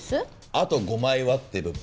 「あと５枚は」って部分。